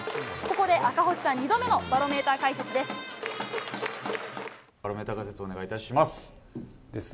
ここで赤星さん、２度目のバロメーター解説です。